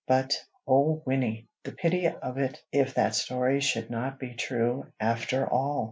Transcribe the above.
But, O Wynnie! the pity of it if that story should not be true, after all!"